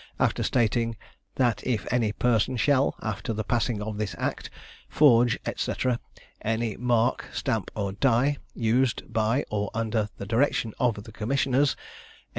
after stating "that if any person shall after the passing of this Act, forge, &c. any mark, stamp or die, used by or under the direction of the commissioners," &c.